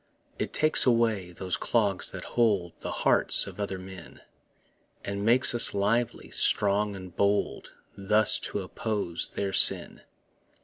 It takes away those clogs that hold The hearts of other men, And makes us lively, strong and bold Thus to oppose their sin.